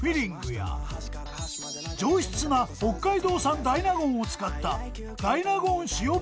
［上質な北海道産大納言を使った］